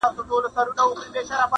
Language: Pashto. و عسکرو تې ول ځئ زموږ له کوره-